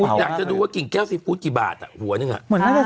อยากจะดูว่ากิ่งแก้วซีฟู้ดกี่บาทอ่ะหัวหนึ่งอ่ะเหมือนค่ะ